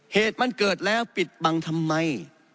เหตุมันเกิดแล้วปิดบังทำไม